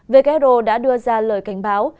who đã đưa ra lời cảnh báo